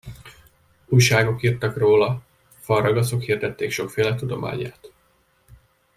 Újságok írtak róla, falragaszok hirdették sokféle tudományát.